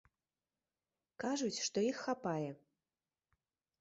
Кажуць, што іх хапае.